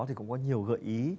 thì cũng có nhiều gợi ý